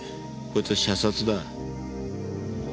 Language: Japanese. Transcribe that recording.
こいつは射殺だ。